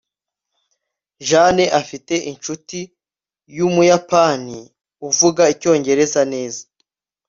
jane afite inshuti yumuyapani uvuga icyongereza neza